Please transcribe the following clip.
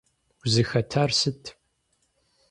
Узыхэтар сыт?